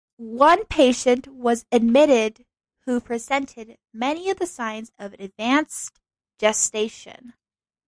One patient was admitted who presented many of the signs of advanced gestation.